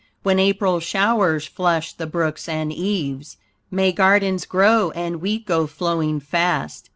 When April showers flush the brooks and eaves; May gardens grow and wheat go flowing fast.